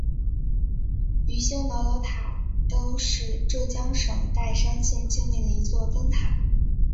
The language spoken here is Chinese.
鱼腥脑岛灯塔是浙江省岱山县境内的一座灯塔。